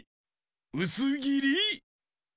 うすぎり？